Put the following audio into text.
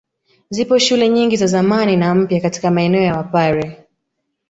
Zipo shule nyingi za zamani na mpya katika maeneo ya Wapare